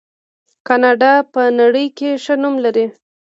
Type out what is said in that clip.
کاناډا په نړۍ کې ښه نوم لري.